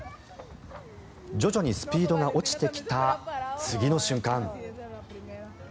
徐々にスピードが落ちてきた次の瞬間。